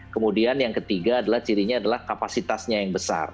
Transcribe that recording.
kemudian yang ketiga adalah cirinya adalah kapasitasnya yang besar